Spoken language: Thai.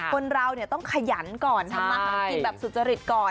คนเราต้องขยันก่อนทำมาหากินแบบสุจริตก่อน